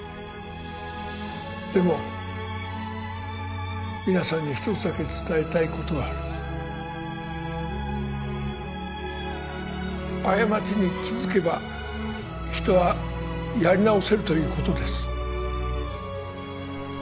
でも皆さんに一つだけ伝えたいことがある過ちに気づけば人はやり直せるということです